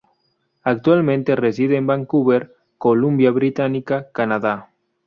Actualmente reside en Vancouver, Columbia Británica, Canadá.